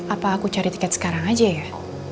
apa aku cari tiket sekarang aja ya